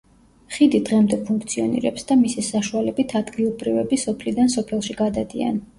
ხიდი დღემდე ფუნქციონირებს და მისი საშუალებით ადგილობრივები სოფლიდან სოფელში გადადიან.